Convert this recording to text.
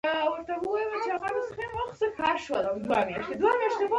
په سیاستونو کې تمرکز پر سختو طالبانو باندې کېږي.